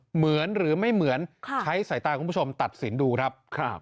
เหมือนหรือไม่เหมือนใช้สายตาคุณผู้ชมตัดสินดูครับ